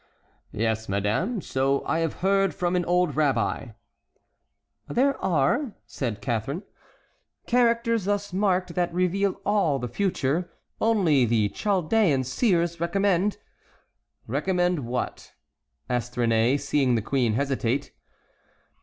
"Yes, madame; so I have heard from an old rabbi." "There are," said Catharine, "characters thus marked that reveal all the future. Only the Chaldean seers recommend"— "Recommend—what?" asked Réné, seeing the queen hesitate.